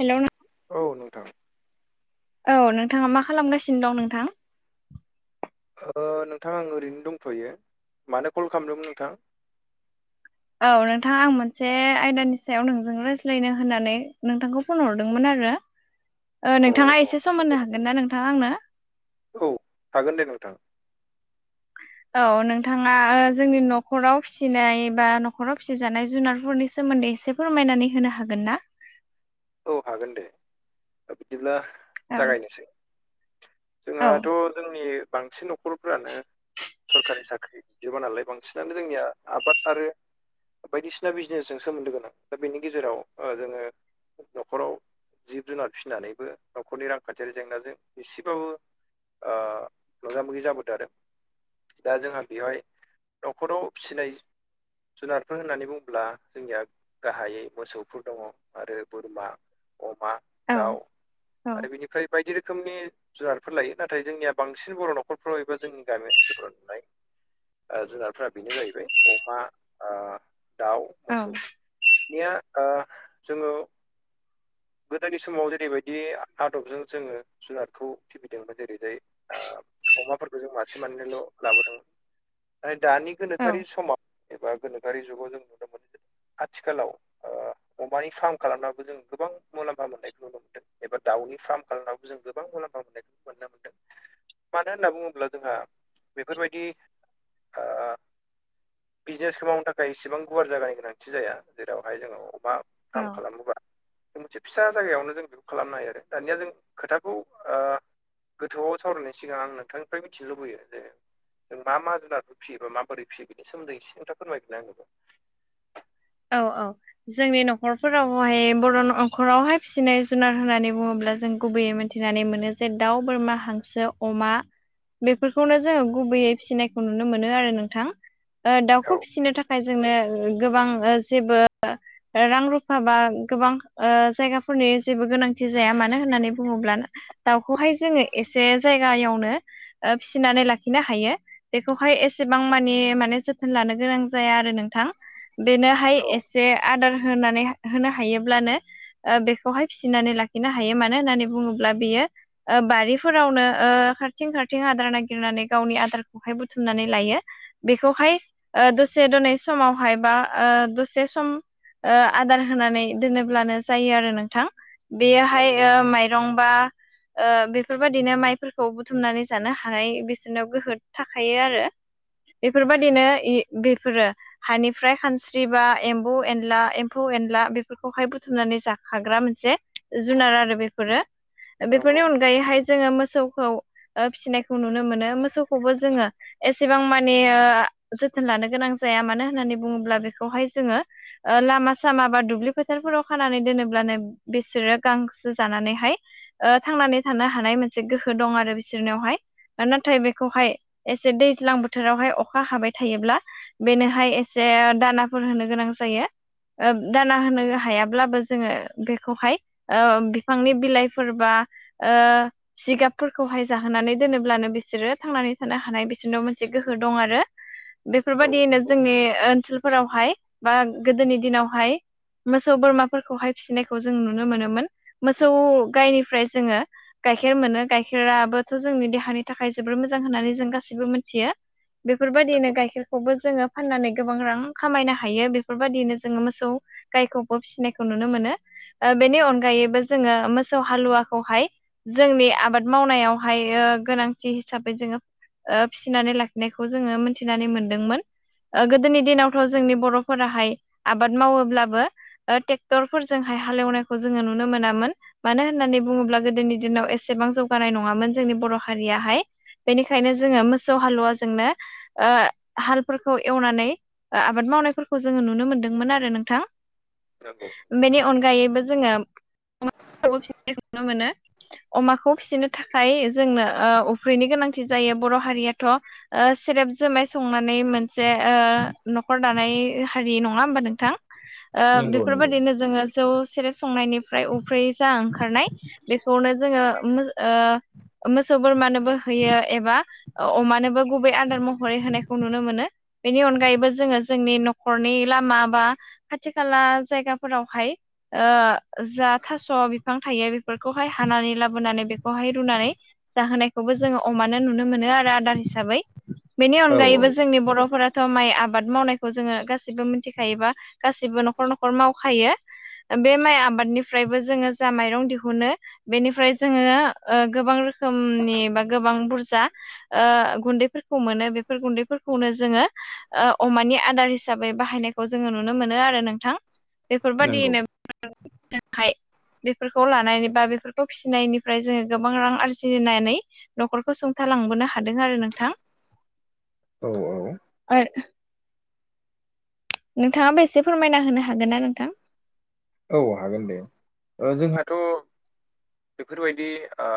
Hello नों औ नोंथां औ नोंथाङा मा खालामगासिनो दं नोंथां? नोंथां आं ओरैनो दंथ'यो मानो कल खालामदोंमोन नोंथां? औ नोंथां आं मोनसे आयदानि सायाव नोंजों रायज्लायनो होननानै नोंथांखौ फन हरदोंमोन आरो ओ अ नोंथाङा एसे सम नंगौ मोननो नंगौ हागोन ना नोंथाङा आंनो औ थागोन दे नोंथां औ नोंथाङा जोंनि न'खराव फिसिनाय बा न'खराव फिसिजानाय जुनारफोरनि सोमोन्दै एसे फोरमायनानै होनो हागोन ना? औ हागोन दे बिदिब्ला औ जागायनोसै औ जोंहाथ' जोंनि बांसिन न'खरफ्रानो सरखारि साख्रि जोबा नालाय बांसिनानो जोंनिया आबाद आरो बायदिसिना बिजनेसजों सोमोन्दो गोनां दा बेनि गेजेराव ओ जोङो न'खराव जिब जुनार फिसिनानैबो न'खरनि रांखान्थियारि जेंनाजों एसेबाबो ओ मोगा मोगि जाबोदों आरो दा जोंहा बेवहाय न'खराव फिसिनाय जुनारफोर होननानै बुङोब्ला जोंनिया गाहायै मोसौफोर दङ आरो बोरमा अमा औ दाउ औ आरो बेनिफ्राय बायदि रोखोमनि जुनारफोर लायो नाथाय जोंनिया बांसिन बर' न'खरफ्राव एबा जोंनि गामि ओनसोलफोराव नुनाय जुनारफोरा बेनो जाहैबाय अमा दाउ औ मोसौ निया ओ जोङो गोदोनि समाव जेरैबायदि आदबजों जोङो जुनारखौ फिबिदोंमोन जेरैहाय अमाफोरखौ जों मासे मानैनोल' लाबोदोंमोन नथाय दानि औ गोनोखोआरि समाव एबा गोनोआरि जुगाव जों नुनो मोन [inaudible] आथिखालाव ओ अमानि फार्म खालामनो जों गोबां मुलाम्फा मोन्नायखौ नुनो मोन्दों एबा दाउनि फार्म खालामनायावबो जों गोबां मुलाम्फा मोननायखौ नुनो मोन्दों मानो होनना बुङोब्ला जोंहा बेफोरबायदि ओ बिजनेसखौ मावनो थाखाय एसेबां गुवार जायगानि गोनांथि जाया जेरावहाय जोङो अमा फार्म खालामोबा जों मोनसे फिसा जायगायावनो जों खालामनो हायो आरो दानिया जों खोथाखौ ओ गोथौआव सावरायनायनि सिगां आं नोंथांनिफ्राय मिथिनो लुबैयो जे जों मा मा जुनारफोर फियोबा माबोरै फियो बेनि सोमोन्दै इसे खोन्था फोरमायदोलाय आंनोबो औ औ जोंनि न'खरफोरावहाय बर' न'खरावहाय फिसिनाय जुनार होननानै बुङोब्ला जों गुबैयै मोनथि थिनानै मोनो जे दाउ बोरमा हांसो अमा बेफोरखौनो जोङो गुबैयै फिसिनायखौ नुनो मोनो आरो नोंथां दाउखौ औ फिसिनो थाखाय जोंनो गोबां जेबो रां रुफा बा गोबां जायगाफोरनि जेबो गोनां थि जाया मानो होननानै बुङोब्ला दाउखौहाय जोङो एसे जायगायावनो ओ फि फिनानै लाखिनो हायो बेखौहाय एसेबां मानि माने जोथोन लानो गोनां जाया आरो नों थां बेनोहाय औ एसे आदार होनानै होनो हायोब्लानो बेखौहाय फिसिनानै लाखिनो हायो मानो होननानै बुङोब्ला बियो बारिफोरावनो खारथिं खारथिं आदार नागिरनानै गावनि आदार बुथुमनानै लायो बेखौहाय दसे दनै समावहाय बा दस से सम ओ आदार होनानै दोनोब्लानो जायो आरो नोंथां। बेयोहाय नंगौ ओ माइरंबा ओ बेफोरबायाददिनो माइफोरखौ बुथुमनानै जानो हानाय बिसोरनि गोहो थाखायो आरो। बेफोरबायदिनो इ बेफोरो हानिफ्राय खानस्रि बा एम्बौ एनला एम्फौ एनला बेफोरखौहाय बुथुमनानै जाखाग्रा मोनसे जुनार आरो बेफोरो नंगौ बेफोरनि अनगायैहाय जोङो मोसौखौ ओ फिसिनायखौ खौ नुनो मोनो मोसौखौबो जोङो एसेबां माने ओ जोथोन लानो गोनां जाया मानो होननानै बुङोब्ला बेखौहाय जोङो ओ लामा सामा बा दुब्लि फोथारफोराव खानानै दोनोब्लानो बिसोरो गांसो जानानैहाय ओ थांनानै थानो हानाय मोनसे गोहो दं आरो बिसोरनियावहाय नाथाय बेखौहाय एसे दैज्लां बोथोरावहाय अखा हाबाय थायोब्ला बेनोहाय एसे दानाफोर होनो गोनां जायो। दाना होनो हायाब्लाबो जोङो बेखौहाय ओ बिफांनि बिलाइफोरबा ओ जिगाबफोरखौहाय जाहोनानै दोनोब्लानो बिसोरो थांनानै थानो हानाय बिसोरनो मोनसे गोहो दं आरो औ बेफोरबायदियैनो नंगौ जोंनि ओनसोलफोरावहाय बा गोदोनि दिनावहाय मोसौ बोरमाफोरखौहाय फिसिनायखौ जों नुनो मोनोमोन मोसौ गायनिफ्राय जोङो गाइखेर मोनो गाइखेराबोथ' जोंनि देहानि थाखाय जोबोर मोजां होननानै जों गासैबो मिथियो बेफोरबायदिनो गाइखेरखौबो जोङो फाननानै गोबां रां खामायनो हायो बेफोरबायदियैनो जोङो मोसौ गायखौबो फिसिनायखौ नुनो मोनो। ओ बेनि अनगायैबो जोङो मोसौ हालुवाखौहाय जोंनि आबाद मावनायावहाय ओ गोनांथि हिसाबै जोङो ओ फिसिनानै लाखिनायखौ जोङो मिथिनानै मोनदोंमोन ओ गोदोनि दिनाव थ' जोंनि बर'फोराहाय आबाद मावोब्लाबो ओ टेक्टरफोरजोंहाय हालेवनायखौ जोङो नुनो मोनामोन। मानो होननानै बुङोब्ला गोदोनि दिनाव एसेबां जौगानाय नङामोन जोंनि बर' हारियाहाय। बेनिखायनो जोङो मोसौ हालुवाजोंनो ओ हालफोरखौ एवनानै ओ आबाद मावनायफोरखौ जोङो नुनो मोनदोंमोन आरो नोंथां नंगौ बेनि अनगायैबो जोङो [unintelligible] मोनो अमाखौ फिसिनो थाखाय जोंनो ओ उफ्रिनि गोनांथि जायो बर' हारियाथ' ओ सेरेब जुमाय संनानै मोन जे ओ न'खर दानाय हारि नङा होमबा नोंथां ओ बेफोरबायदिनो जोङो जौ सेरेब संनायनिफ्राय उफ्रै जा ओंखारनाय बेखौनो जोङो ओ मोसौ बोरमानोबो होयो एबा अ-अमानोबो गुबै आन्दार महरै होनायखौ नुनो मोनो बेनि अनगायैबो जोङो जोंनि न'खरनि लामा बा खाथि खाला जायगाफोरावहाय ओ जा थास' बिफां थायो बेफोरखौहाय हानानै लाबोनानै बेखौहाय रुनानै जाहोनायखौबो जोङो अमानो नुनो मोनो आरो आदार हिसाबै बेनि औ औ अनगायैबो जोंनि बर'फोराथ' माइ आब बाद मावनायखौ जोङो गासिबो मिथिखायोबा गासिबो न'खर न'खर मावखायो। बे माइ आबादनिफ्रायबो जोङो जा माइरं दिहुनो बेनिफ्राय जोङो ओ गोबां रोखोमनि बा गोबां बुरजा ओ गुन्दैफोरखौ मोनो बेफोर गुन्दैफोरखौनो जोङो ओ अमानि आदार हिसाबै बाहायनायखौ जोङो नुनो मोनो आरो नोंथां। बेफोरबायाददियैनो [inaudible] जोंहाय बेफोरखौ लानायानानै बा बेफोरखौ फिसिनायनिफ्राय जोङो गोबां रां आरजिनानै न'खरखौ सुंथालांबोनो हादों आरो नोंथां। औ औ। [unintelligible] नोंथाङाबो एसे फोरमायना होनो हागोन ना नोंथां? औ हागोन दे जोंहाथ' बेफोरबायदि ओ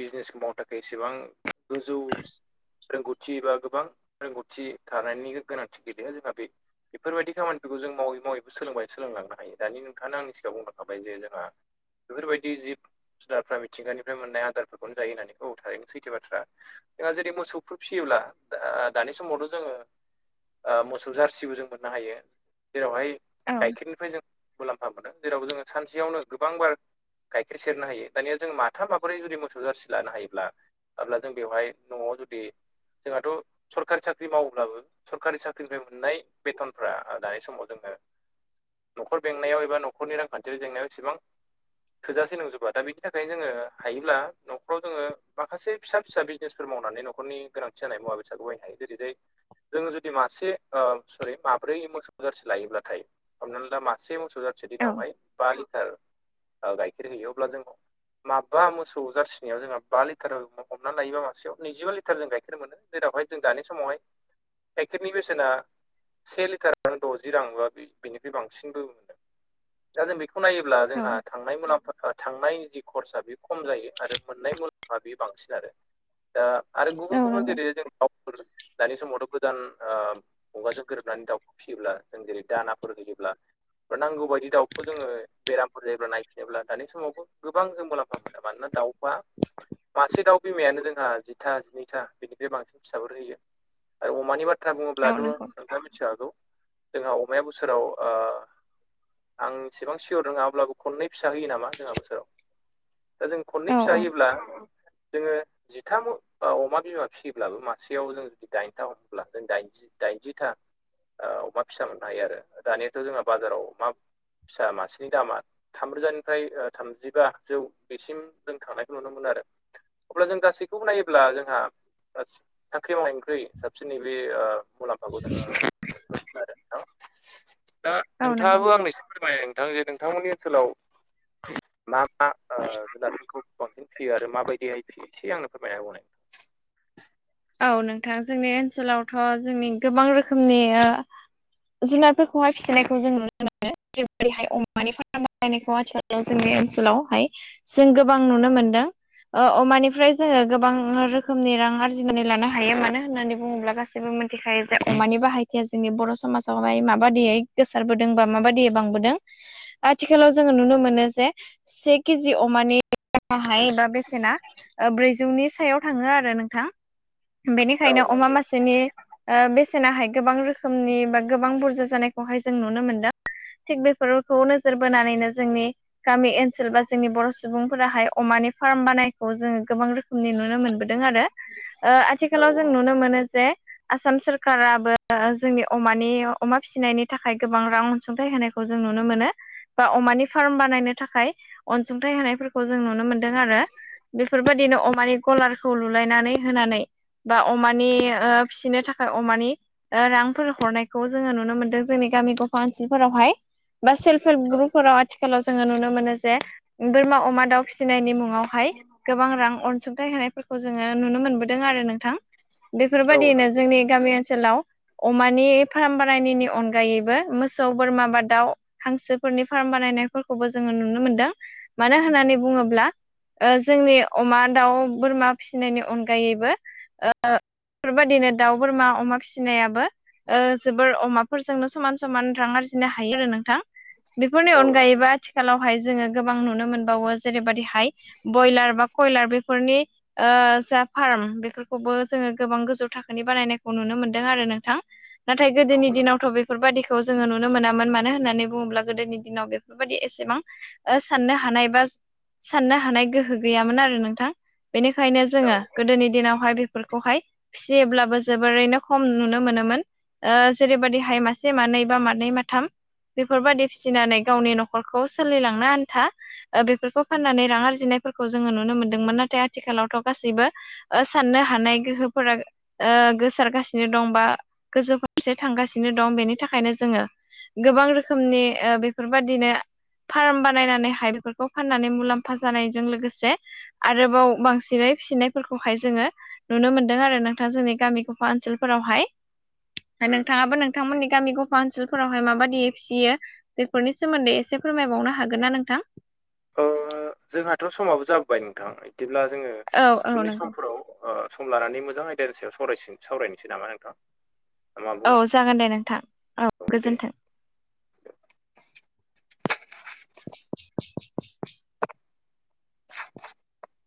बिजनेसखौ मावनो थाखाय एसेबां गोजौ रोंगौथि बा गोबां रोंगौथि थानायनि गोनांथि गैेलया। जोंहा बे बेफोरबायदि खामानिफोरखौ जों मावै मावैबो सोलोंबाय सोलोंलांनो हायो दानि थांआनो आंनि सिगाङ बुंनाखाबाय जे जोंहा बेफोरबायदि जिब जुनारफ्रा मिथिंगानिफ्राय मोननाय आदारफोरखौनो जायो होननानै औ थारैनो सैथो बाथ्रा। जोंहा जेरै मोसौफोर फिसियोब्ला दा दानि समावथ' जोङो ओ मोसौ जारसिबो जों मोननो हायो जेरावहाय औ गाइखेरनिफ्राय जों। मुलाम्फा मोनो जेराव जोङो सानसेयावनो गोबांबार गाइखेर सेरनो हायो दानिया जों माथाम माबोरै जुदि मोसौ जारसि लानो हायोब्ला अब्ला जों बेवहाय न'आव जुदि जोंहाथ' सरकारि साख्रि मावोब्लाबो सरकारि साख्रिनिफ्राय मोननाय बेथनफ्रा दानि समाव जोङो बेेंनायाव एबा न'खरनि रांखान्थिारि जेंनायावसिबां। थोजासे नंजोबा दा बिनि थाखायनो जोङो हायोब्ला न'खराव जोङो माखासे। फिसा फिसा बिजनेसफोर मावनानै न'खरनि गोनांथि जानाय मुवा बेसादखौ बायनो हायो जेरैहाय जों जुदि मासे ओ सरि माब्रै मोसौ जारसि लायोब्लाथाय हमनानै ला मा से मोसौ जारसे औ दिनावहाय बा लिटार गाइखेर हैयो अब्ला जोङो माबा मोसौ जारसिनायाव जोंहा बा लिटार हमनानै लायोबा मासे नैजिबा लिटार जों गाइखेर मोनो। जेरावहाय जों दानि समावहाय। गाइखेरनि बेसेना से लिटारानो द'जि रां बा बिनिख्रुइ बांसिन। नंगौ नोंथां दा जों बेखौ नायोब्ला औ जोंहा थांनाय मुलाफा थांनाय जि खरसा बे खम जायो आरो मोननाय मुलाम्फा बे बांसिन आरो। दा आरो औ गुबुन गुबुन नंगौ जेरै जोंफोर दानि समावथ' गोदान ओ मुगाजों गोरोबनानै दाउखौ फिसियोब्ला जों जेरै दानाफोर होयोब्ला नांगौ बायदि दाउखौ जोङो बेरामफोर जायोब्ला नायफिनोब्ला दानि समावबो गोबां जों मुलाम्फा मोनो मानोना दाउ [inaudible] मासे दाउ बिमायानो जोंहा जिथा जिनैथा बिनिफ्राय बांसिन फिसाफोर होयो। आरो अमानि बाथ्रा औ बुङोब्लाथ' नंगौ नोंथाङा मिथि खागौ जोंहा अमाया बोसोराव ओ आंसिबां सियर रोङा अब्लाबो खनै फिसा होयो नामा जोंहा बोसोराव दा जों खननै औ फिसा औ होयोब्ला जोङो जिथाम अमा बिमा फिसियोब्लाबो मासेयाव जों जुदि दाइनथा हमब्ला जों दाइनज दाइनजिथा ओ अमा फिसा मोननो हायो आरो दानियाथ' जोंहा बाजाराव मा फिसा मासेनि दामा थामरोजानिफ्राय ओ थामजिबा जौ बेसिम जों थांनायखौ नुनो मोनो आरो। अब्ला जों गासैखौबो नायोब्ला जोंहा सांख्रि मावनायनिख्रुइ साबसिन नै बेेओ मुलाम्फाखौ जों [unintelligible] दा औ नंगौ नोंथाङाबो आंनो एसे फोरमाय। दा जे नोंथांमोननि ओनसोलाव मा मा ओ जुनारफोरखौ बांसिन फियो आरो माबायदिहाय फियो एसे आंनो फोरमायना होनाय। औ नोंथां जोंनि ओनसोलावथ' जोंनि गोबां रोखोमनिओ जुनारफोरखौहाय फिसिनायखौ जों नुनो मोनो जेरैैहाय अमानि फार्म बायनायखौ आथिखाल जोंनि ओनसोलाव हाय। जों गोबां नुनो मोनदों ओ अमानिफ्राय जोङो गोबां रोखोमनि रां आरजि बुंनानै लानो हायो मानो होननानै बुङोब्ला गासैबो मिथिखायो जे अमानि बाहायथिया जोंनि बर' समाज हाय माबायदियै गोसारबोदों बा माबायदियै बांबोदों आथिखालाव जोङो नुनो मोनो जे से केजि अमानि गाहाय एबा बेसेना ब्रैजौनि सायाव थाङो आरो नोंथां बेनिखायनो औ अमा नंगौ मासेनि ओ बेसेनाहाय गोबां रोखोमनि बा गोबां बुरजा जानायखौहाय जों नुनो मोनदों थिग बेफोरखौ नोजोर बोनानैनो जोंनि गामि ओनसोल बा जोंनि बर' सुबुंफोराहाय अमानि फार्म बानायखौ जोङो गोबां रोखोम नि नुनो मोनबोदों आरो औ आथिखालाव जों नुनो मोनो जे आसाम सोरखाराबो जोंनि अमानि अमा फिसिनायनि थाखाय गोबां रां अनसुंथाइ होनायखौ। खौ जों नुनो मोनो बा अमानि फार्म बानायनो थाखाय अनसुंथाइ होनायफोरखौ खौ जों नुनो मोनदों आरो बेफोरबायदिनो अमानि गलारखौ लुलायनानै होनानै बा अमानि फिसिनो थाखाय अमानि रांफोर हरनायखौ जोङो नुनो मोनदों जोंनि गामि गफा ओनसोलफोरावहाय। बा सेल्फ हेल्प ग्रुपफोराव आथिखालाव जोङो नुनो मोनो जे बोरमा अमा दाउ फि सिनायनि मुङावहाय गोबां रां अनसुंथाइ होनायफोरखौ जोङो नुनो मोनबोदों आरो नोंथां। औ बेफोरबायदियैनो नंगौ जोंनि गामि ओनसोलाव अमानि फार्म बारायनायनि अनगायैबो मोसौ बोरमा बा दाउ हांसोफोरनि फार्म बानायनायफोरखौबो जोङो नुनो मोनदों मानो होननानै बुङोब्ला जोंनि अमा दाउ बोरमा फिसिनायनि अनगा अगायैबो बेफोरबायदिनो दाउ बोरमा अमा फिसिनायाबो जोबोर अमाफोरजोंनो समान समान रां आरजिनो हायो आरो नोंथां। बेफोरनि औ नंगौ अनगायैबो आथिखालावहाय जोङो गोबां नुनो मोनबावो जेरैबायदि बयलार बा कयलार बेफोरनि ओ फार्म बेफोरखौबो जोङो गोबां गोजौ थाखोनि बानायनायखौ नुनो मोनदों आरो नोंथां। नाथाय गोदोनि औ दिनावथ' बे बेफोरबायदिखौ जोङो नुनो मोनामोन मानो होननानै बुङोब्ला गोदोनि दिनाव बेफोरबायदि एसेबां साननो हानाय बा साननो हानाय गोहो गैयामोन आरो नोंथां। बेनिखायनो नंगौ औ जोङो गोदोनि दिनाव ाय बेफोरखौहाय फिसियोब्लाबो जोबोरैनो खम नुनो मोनोमोन। जेरैबायदिहाय मासे मानै बा मानै माथाम बेफोरबायदि फिसिनानै गावनि न'खरखौ सोलिलांनो आन्था बेफोरखौ फाननानै रां आरजिनायफोरखौ जोङो नुनो मोनदोंमोन। नाथाय आथिखालावथ' गासैबो ओ साननो हानाय गोहोफोरा गोसारगासिनो दं बा गोजौ फारसे थांगासिनो दं बेनि थाखायनो जोङो गोबां रोखोमनि बेफोरबायदिनो फार्म बानायनानैहाय बेफोर खौ फाननानै मुलाम्फा जानायजों लोगोसे आरोबाव बांसिनै फिसिनाय फोरखौहाय जोङो नुनो मोनदों आरो नोंथाङा जोंनि गामि गफा ओनसोलफोरावहाय। उम नोंथाङाबो नोंथांमोननि गामिखौ काउन्सिलफोरावहाय माबायदि फिसियो बेफोरनि सोमोन्दै एसे फोरमायबावनो हागोन ना नोंथां जोंहाथ' समाबो जाबोबाय नोंथां बिदिब्ला जोङो औ औ उननि नंगौ समफोराव ओ सम लानानै मोजां आयदानि सायाव सावरायन सावरायनोसै नामा आोंथां। औ जागोन दे नोंथां औ गोजोन्थों। [unintelligible] [unintelligible]